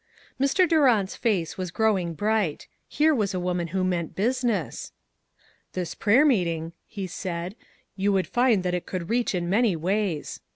MR. DURANTS face was growing bright. Here was a woman who meant business. "This prayer meeting," he said, "yon would find that it could reach in many ways.